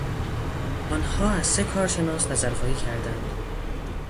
آنها از سه کارشناس نظر خواهی کردند.